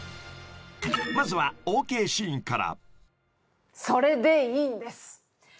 ［まずはＯＫシーンから］